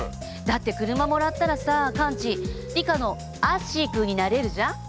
だって車もらったらさカンチリカのアッシーくんになれるじゃん。